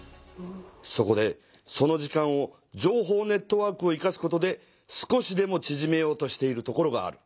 そこでその時間を情報ネットワークを生かすことで少しでもちぢめようとしている所がある。